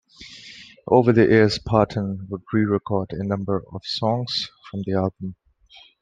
Over the years, Parton would re-record a number of the songs from the album.